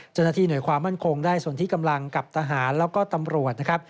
จนนาทีหน่วยความมั่นคงได้ส่วนที่กำลังกับทหารและตำรวจ